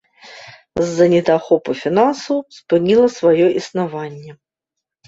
З-за недахопу фінансаў спыніла сваё існаванне.